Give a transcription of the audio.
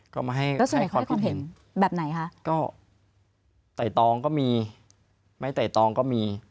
ก็มาให้แล้วส่วนไหนเขาให้ความเห็นแบบไหนคะก็ไต่ตองก็มีไม่ไต่ตองก็มี